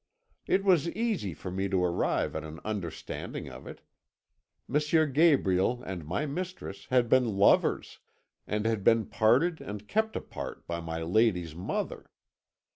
"It was easy for me to arrive at an understanding of it. M. Gabriel and my mistress had been lovers, and had been parted and kept apart by my lady's mother.